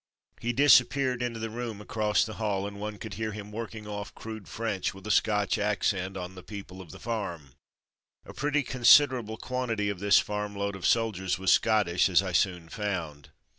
He dis appeared into the room across the hall, and one could hear him working off crude French with a Scotch accent on to the people of the farm. A pretty considerable quantity of this farm load of soldiers was Scottish as I soon found.